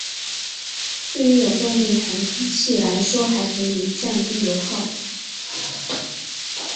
对于有动力航空器来说还可降低油耗。